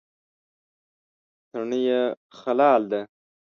تڼۍ یې خلال ده.